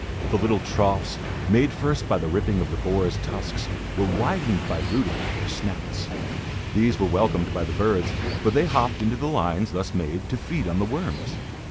The little troughs, made first by the ripping of the boar's tusks, were widened by rooting with their snouts. These were welcomed by the birds, for they hopped into the lines thus made, to feed on the worms.